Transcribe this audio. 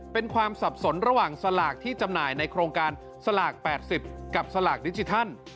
เป็นความสับสนระหว่างสลากที่จำหน่ายในโครงการสลาก๘๐กับสลากดิจิทัล